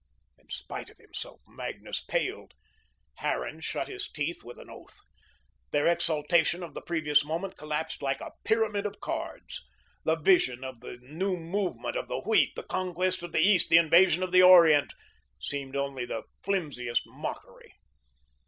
In spite of himself, Magnus paled. Harran shut his teeth with an oath. Their exaltation of the previous moment collapsed like a pyramid of cards. The vision of the new movement of the wheat, the conquest of the East, the invasion of the Orient, seemed only the flimsiest mockery.